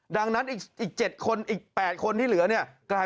ดังนั้นอีก๗คนอีก๘คนที่เหลือเนี่ยกลาย